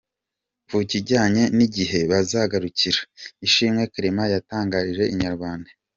Ku kijyanye n’igihe bazagarukira, Ishimwe Clement yatangarije Inyarwanda.